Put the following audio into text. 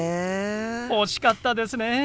惜しかったですね。